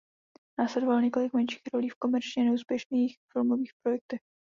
Následovalo několik menších rolí v komerčně neúspěšných filmových projektech.